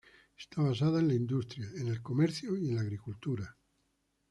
Está basada en la industria, en el comercio y en la agricultura.